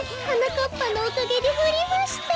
かっぱのおかげでふりました！